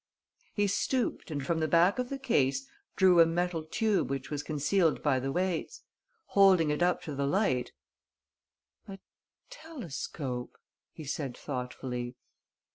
He stooped and, from the back of the case, drew a metal tube which was concealed by the weights. Holding it up to the light: "A telescope," he said, thoughtfully.